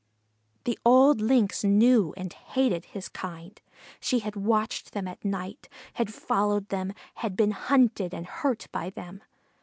The old Lynx knew and hated his kind. She had watched them at night, had followed them, had been hunted and hurt by them.